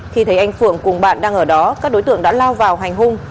khi thấy anh phượng cùng bạn đang ở đó các đối tượng đã lao vào hành hung